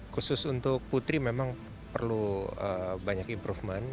khusus untuk putri memang perlu banyak improvement